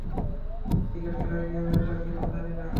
Cricket খেলার নিয়ম এটা কিনা জানি না।